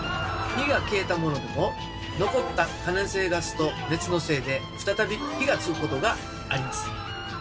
火が消えたものでも残った可燃性ガスと熱のせいで再び火がつくことがあります。